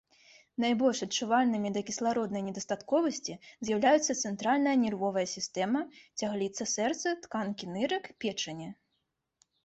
Найбольш адчувальнымі да кіслароднай недастатковасці з'яўляюцца цэнтральная нервовая сістэма, цягліца сэрца, тканкі нырак, печані.